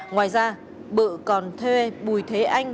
ngoài ra bự còn thuê bùi thế anh